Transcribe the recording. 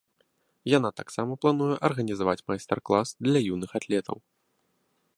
Яна таксама плануе арганізаваць майстар-клас для юных атлетаў.